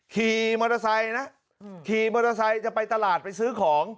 ขี่มอเตอร์ไซค์จะไปตลาดไปซื้อของ